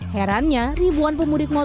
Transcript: herannya ribuan pemudik motornya